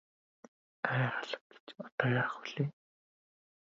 Ай халаг гэж одоо яах билээ.